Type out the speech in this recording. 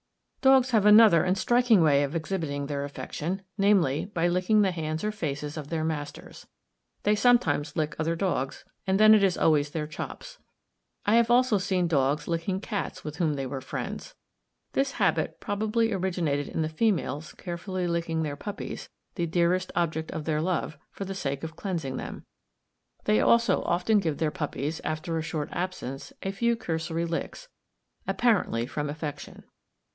Dogs have another and striking way of exhibiting their affection, namely, by licking the hands or faces of their masters. They sometimes lick other dogs, and then it is always their chops. I have also seen dogs licking cats with whom they were friends. This habit probably originated in the females carefully licking their puppies—the dearest object of their love—for the sake of cleansing them. They also often give their puppies, after a short absence, a few cursory licks, apparently from affection.